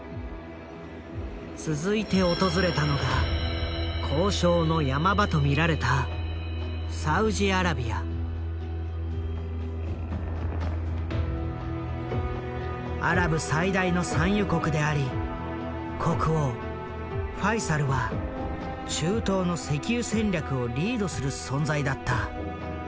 続いて訪れたのが交渉の山場と見られたアラブ最大の産油国であり国王ファイサルは中東の石油戦略をリードする存在だった。